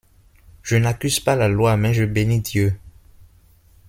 Je n’accuse pas la loi, mais je bénis Dieu.